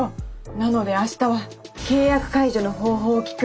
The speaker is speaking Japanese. なので明日は契約解除の方法を聞く。